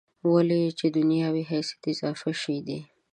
ولې چې دنیا وي حیثیت اضافي شی دی.